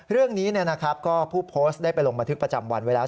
เรื่องนี้ก็ผู้โพสต์ได้ไปลงบันทึกประจำวันไว้แล้ว